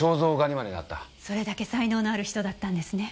それだけ才能のある人だったんですね。